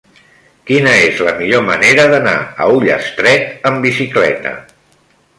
Quina és la millor manera d'anar a Ullastret amb bicicleta?